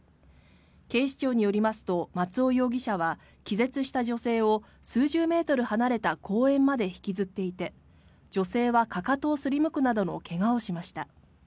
警視庁によりますと松尾容疑者は、気絶した女性を数十メートル離れた公園まで引きずっていて女性はかかとをすりむくなどの怪我をしました。